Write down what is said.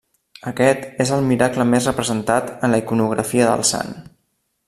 Aquest és el miracle més representat en la iconografia del sant.